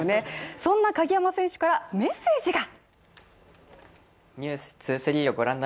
そんな鍵山選手からメッセージが。